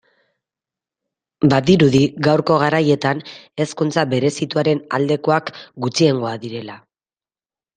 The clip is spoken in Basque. Badirudi gaurko garaietan hezkuntza berezituaren aldekoak gutxiengoa direla.